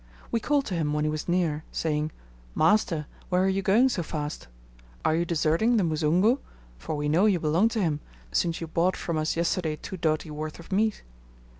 We called to him when he was near, saying, 'Master, where are you going so fast? Are you deserting the Musungu, for we know you belong to him, since you bought from us yesterday two doti worth of meat?'